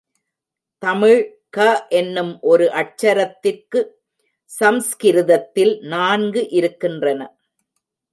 தமிழ் க என்னும் ஒரு அட்சரத்திற்கு சம்ஸ்கிருதத்தில் நான்கு இருக்கின்றன.